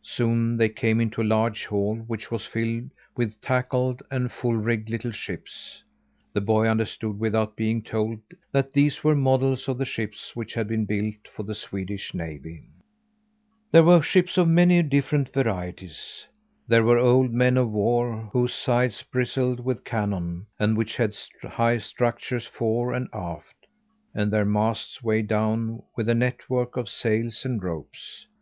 Soon they came into a large hall, which was filled with tackled and full rigged little ships. The boy understood without being told, that these were models for the ships which had been built for the Swedish navy. There were ships of many different varieties. There were old men of war, whose sides bristled with cannon, and which had high structures fore and aft, and their masts weighed down with a network of sails and ropes.